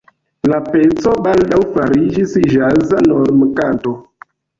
La peco baldaŭ fariĝis ĵaza normkanto.